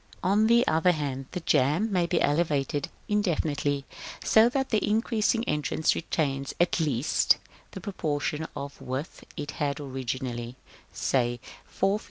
§ VIII. On the other hand, the jamb may be elevated indefinitely, so that the increasing entrance retains at least the proportion of width it had originally; say 4 ft.